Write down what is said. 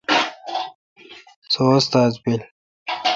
سو استاد بیل۔